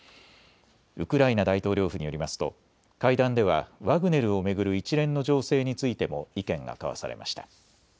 ウクライナ大統領府によりますと会談ではワグネルを巡る一連の情勢についても意見が交わされました。